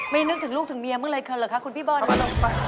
ไม่นึกถึงลูกถึงเมียเมื่อไรเกินเหรอคะคุณพี่บ้อน